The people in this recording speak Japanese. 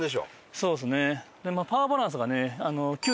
そうですね。